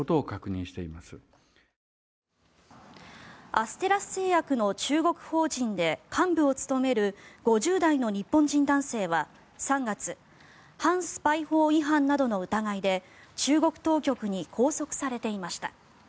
アステラス製薬の中国法人で幹部を務める５０代の日本人男性は３月反スパイ法違反などの疑いで中国当局に拘束されていました。